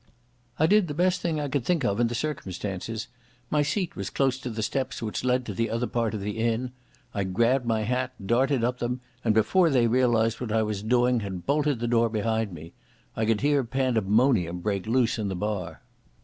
I did the best thing I could think of in the circumstances. My seat was close to the steps which led to the other part of the inn. I grabbed my hat, darted up them, and before they realised what I was doing had bolted the door behind me. I could hear pandemonium break loose in the bar.